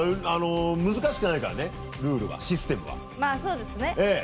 難しくないからね、ルールがシステムが。